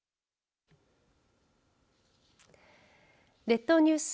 列島ニュース